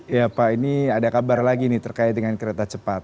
ya pak ini ada kabar lagi nih terkait dengan kereta cepat